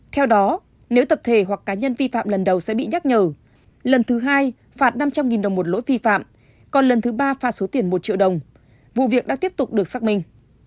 theo đó nếu tập thể hoặc cá nhân vi phạm lần đầu sẽ bị nhắc nhở lần thứ hai phạt năm trăm linh đồng một lỗi vi phạm còn lần thứ ba pha số tiền một triệu đồng vụ việc đang tiếp tục được xác minh